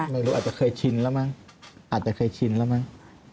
ไม่รู้อาจจะเคยชินแล้วมั้งอาจจะเคยชินแล้วมั้ง